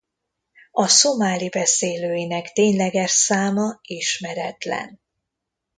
A szomáli beszélőinek tényleges száma ismeretlen.